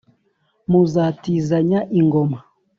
muzatizanya ingoma.